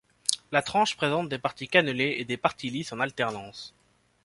La tranche présente des parties cannelées et des parties lisses en alternance.